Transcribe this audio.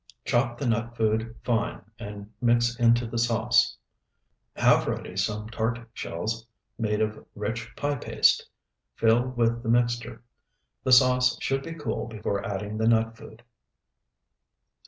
Chop the nut food fine and mix into the sauce. Have ready some tart shells made of rich pie paste; fill with the mixture. The sauce should be cool before adding the nut food.